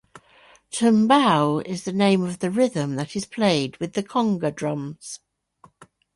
Tumbao is the name of the rhythm that is played with the conga drums.